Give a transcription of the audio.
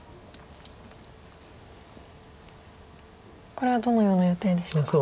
これはどのような予定でしたか？